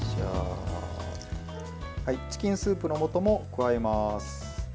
チキンスープの素も加えます。